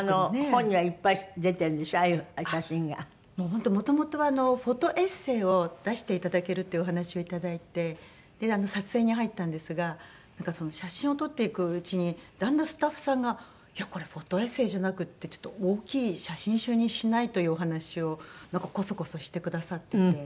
本当もともとはフォトエッセーを出していただけるっていうお話をいただいて撮影に入ったんですが写真を撮っていくうちにだんだんスタッフさんがいやこれフォトエッセーじゃなくてちょっと大きい写真集にしない？というお話をなんかこそこそしてくださってて。